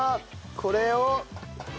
これを。